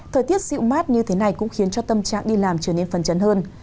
thời tiết dịu mát như thế này cũng khiến cho tâm trạng đi làm trở nên phần chấn hơn